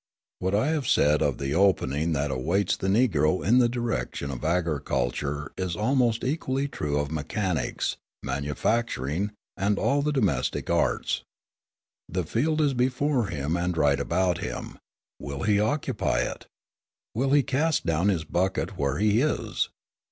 What I have said of the opening that awaits the Negro in the direction of agriculture is almost equally true of mechanics, manufacturing, and all the domestic arts. The field is before him and right about him. Will he occupy it? Will he "cast down his bucket where he is"?